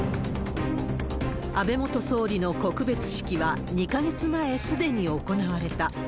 安倍元総理の告別式は２か月前、すでに行われた。